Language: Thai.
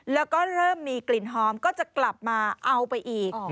แล้วก็เริ่มมีกลิ่นหอมก็จะกลับมาเอาไปอีก